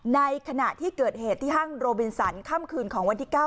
ในขณะที่เกิดเหตุที่ห้างโรบินสันค่ำคืนของวันที่๙